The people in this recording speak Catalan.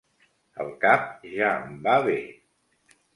El cap ja em va bé.